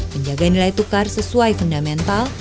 menjaga nilai tukar sesuai fundamental